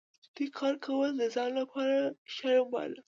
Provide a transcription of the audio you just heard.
دوی کار کول د ځان لپاره شرم باله.